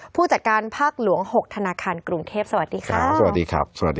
ผู้จัดการภาคหลวง๖ธนาคารกรุงเทพฯสวัสดีครับ